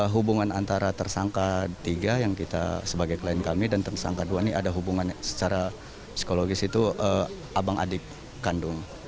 hubungan antara tersangka tiga yang kita sebagai klien kami dan tersangka dua ini ada hubungannya secara psikologis itu abang adik kandung